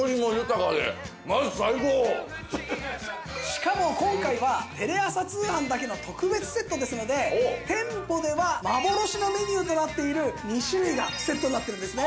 しかも今回はテレ朝通販だけの特別セットですので店舗では幻のメニューとなっている２種類がセットになっているんですね。